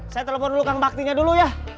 saya telepon dulu kang baktinya dulu ya